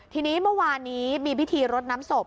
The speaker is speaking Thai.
ทีนี้เมื่อวานนี้มีพิธีรดน้ำศพ